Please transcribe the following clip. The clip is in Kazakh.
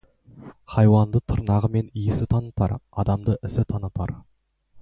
Хайуанды тырнағы мен тісі танытар, адамды ісі танытар.